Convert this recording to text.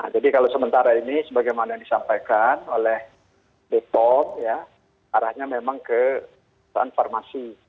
jadi kalau sementara ini sebagaimana yang disampaikan oleh bepom arahnya memang ke san farmasi